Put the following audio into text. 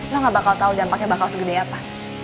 lo gak bakal tahu dampaknya bakal segede apa